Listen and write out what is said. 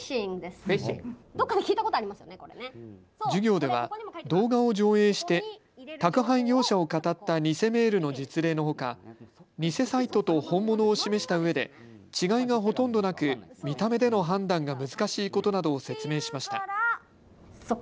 授業では動画を上映して宅配業者をかたった偽メールの実例のほか偽サイトと本物を示したうえで違いがほとんどなく見た目での判断が難しいことなどを説明しました。